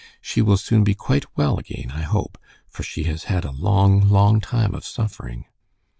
"She will soon be quite well again, I hope, for she has had a long, long time of suffering."